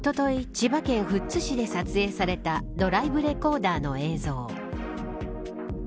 千葉県富津市で撮影されたドライブレコーダーの映像。